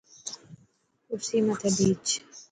ڪرسي مٿي ڀيچ.